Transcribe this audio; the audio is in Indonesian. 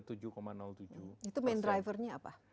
itu main driver nya apa